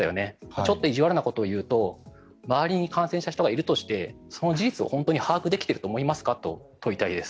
ちょっと意地悪なことを言うと周りに感染した人がいるとして本当にその事実を把握できていると思いますか？と問いたいです。